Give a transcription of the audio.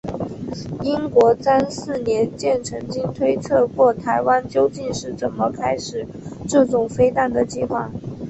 英国詹氏年鉴曾经推测过台湾究竟是怎么开始这种飞弹的计划。